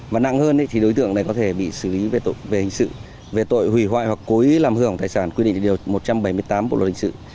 và nặng hơn thì đối tượng có thể bị xử lý về hình sự về tội hủy hoại hoặc cố ý làm hư hỏng tài sản quy định điều một trăm bảy mươi tám bộ luật hình sự